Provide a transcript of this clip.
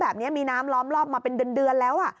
แบบนี้มีน้ำล้อมรอบมาเป็นเดือนแล้ว